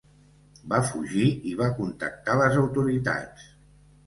Va fugir i va contactar les autoritats.